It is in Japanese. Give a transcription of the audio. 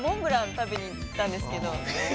食べに行ったんですけど。